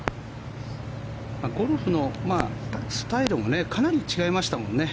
ゴルフのスタイルもかなり違いましたもんね。